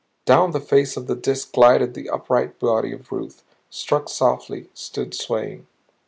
Down the face of the Disk glided the upright body of Ruth, struck softly, stood swaying.